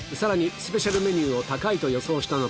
スペシャルメニューを高いと予想したのか